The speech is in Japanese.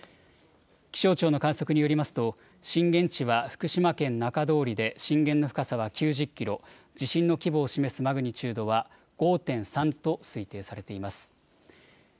気象庁の観測によりますと震源地は福島県中通りで震源の深さは９０キロ、地震の規模を示すマグニチュードは５．３と推定されています。